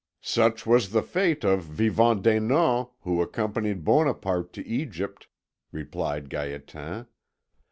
"Such was the fate of Vivant Denon, who accompanied Bonaparte to Egypt," replied Gaétan.